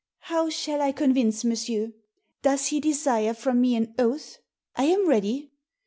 ''How shall I convince monsieur? Does he desire from me an oath ? I am ready.